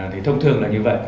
thì thông thường là như vậy